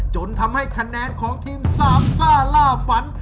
จนทำให้คะแนนของทีมสามซ่าล่าฝัน